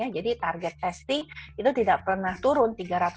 jadi target testing itu tidak pernah turun